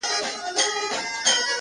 نه پنډت ووهلم _ نه راهب فتواء ورکړه خو _